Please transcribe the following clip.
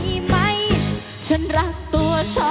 ฮุยฮาฮุยฮารอบนี้ดูทางเวที